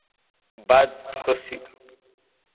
Баӡ дхысит.